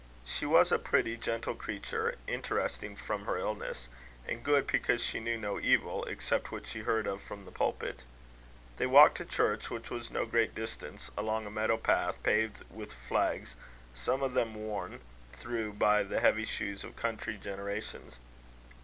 She was a pretty, gentle creature, interesting from her illness, and good, because she knew no evil, except what she heard of from the pulpit. They walked to church, which was at no great distance, along a meadow path paved with flags, some of them worn through by the heavy shoes of country generations.